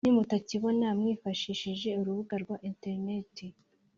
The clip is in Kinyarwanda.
nimutakibona mwifashishe urubuga rwa interineti